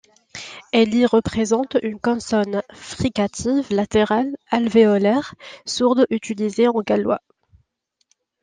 Elle y représente une consonne fricative latérale alvéolaire sourde utilisée en gallois.